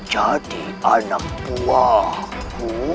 jadi anak buahku